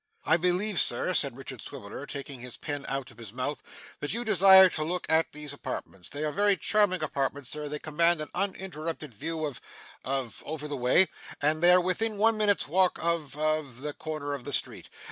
'I believe, sir,' said Richard Swiveller, taking his pen out of his mouth, 'that you desire to look at these apartments. They are very charming apartments, sir. They command an uninterrupted view of of over the way, and they are within one minute's walk of of the corner of the street.